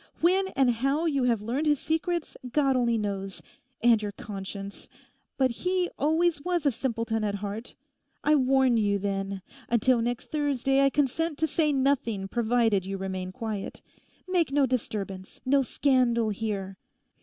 When and how you have learned his secrets God only knows, and your conscience! But he always was a simpleton at heart. I warn you, then. Until next Thursday I consent to say nothing provided you remain quiet; make no disturbance, no scandal here.